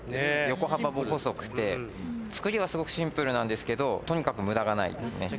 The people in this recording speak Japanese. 横幅も細くて作りはすごくシンプルなんですけどとにかく無駄がないですね。